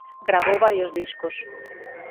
Gravou varios discos.